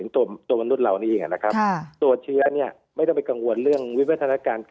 ตัวมนุษย์เรานี้เองตัวเชื้อนี้ไม่ต้องไปกังวลอะไรการวิบัติธนการ